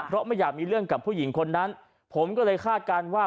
เพราะไม่อยากมีเรื่องกับผู้หญิงคนนั้นผมก็เลยคาดการณ์ว่า